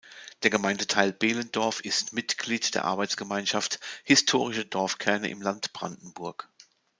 Der Gemeindeteil Behlendorf ist Mitglied der Arbeitsgemeinschaft „Historische Dorfkerne im Land Brandenburg“.